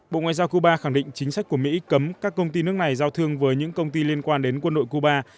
bộ ngoại giao cuba khẳng định chính sách của mỹ cấm các công ty nước này giao thương với những công ty liên quan đến quân đội cuba